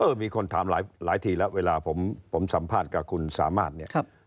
มีคนถามหลายทีแล้วเวลาผมสัมภาษณ์กับคุณสามารถเนี่ย